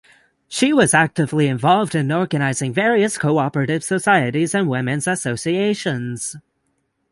She was actively involved in organizing various cooperative societies and women’s associations.